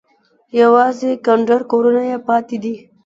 یوازې کنډر کورونه یې پاتې دي.